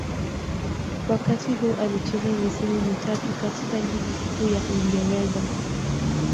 Wakati huu alicheza misimu mitatu katika Ligi Kuu ya Uingereza.